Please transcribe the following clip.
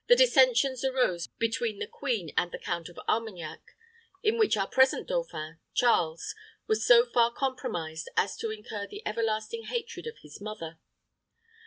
Dissensions arose between the queen and the Count of Armagnac, in which our present dauphin, Charles, was so far compromised as to incur the everlasting hatred of his mother.